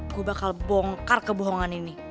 gue bakal bongkar kebohongan ini